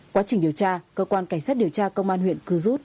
quá trình điều tra cơ quan cảnh sát điều tra công an huyện cư rút